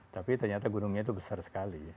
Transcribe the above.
tapi ternyata gunungnya itu besar sekali